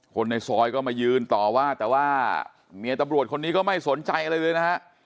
คนในซอยก็มายืนต่อว่าแต่ว่าเมียตำรวจคนนี้ก็ไม่สนใจอะไรเลยนะฮะ